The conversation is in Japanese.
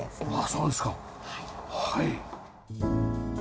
そうですかはい。